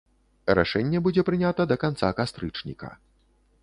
Рашэнне будзе прынята да канца кастрычніка.